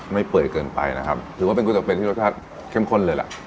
เปื่อยเกินไปนะครับถือว่าเป็นก๋วเป็ดที่รสชาติเข้มข้นเลยล่ะ